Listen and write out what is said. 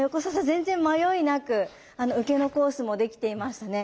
全然迷いなく受けのコースもできていましたね。